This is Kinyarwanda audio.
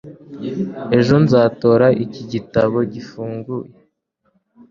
Ejo nzatora iki gitabo gifunguye